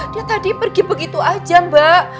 dia tadi pergi begitu aja mbak